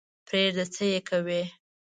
پرېږده څه یې کوې.